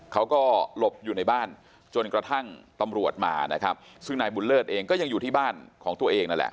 เขาก็หลบอยู่ในบ้านจนกระทั่งตำรวจมานะครับซึ่งนายบุญเลิศเองก็ยังอยู่ที่บ้านของตัวเองนั่นแหละ